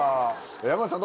山内さん